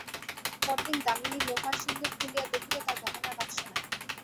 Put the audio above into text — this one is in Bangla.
পরদিন দামিনী লোহার সিন্ধুক খুলিয়া দেখিল তার গহনার বাক্স নাই।